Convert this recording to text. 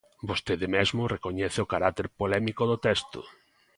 Vostede mesmo recoñece o carácter polémico do texto.